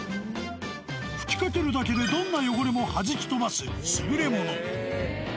吹きかけるだけで、どんな汚れもはじき飛ばす優れもの。